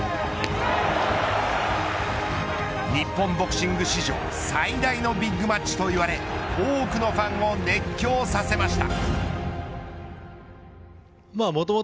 日本ボクシング史上最大のビッグマッチといわれ多くのファンを熱狂させました。